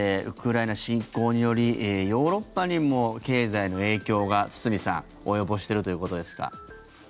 ウクライナ侵攻によりヨーロッパにも経済の影響が、堤さん及ぼしているということですが。